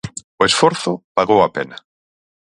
O esforzo pagou a pena.